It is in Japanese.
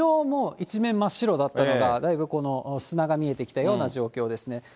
もう、一面真っ白だったのが、だいぶ砂が見えてきたような状況ですね。